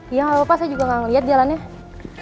iya gak apa apa saya juga gak ngeliat jalannya